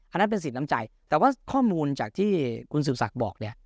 อันนั้นเป็นสินน้ำใจแต่ว่าข้อมูลจากที่คุณสืบศักดิ์บอกเนี่ย